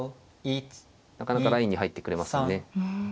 なかなかラインに入ってくれませんね。